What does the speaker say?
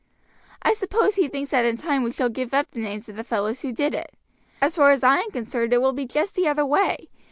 "I suppose he thinks that in time we shall give up the names of the fellows who did it. As far as I am concerned, it will be just the other way.